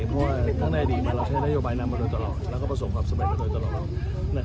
เพราะในอดีตมายจะใช้นโยบายนำมาโดยตลอดแล้วก็ประสงค์สะเบิดจนโดยตลอด